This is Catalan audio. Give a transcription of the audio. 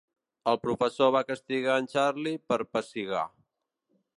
El professor va castigar en Charlie per pessigar.